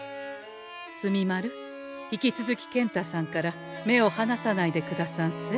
墨丸引き続き健太さんから目をはなさないでくださんせ。